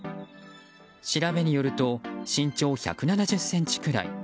調べによると身長１７０ｃｍくらい。